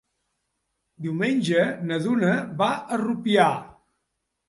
Diumenge na Duna va a Rupià.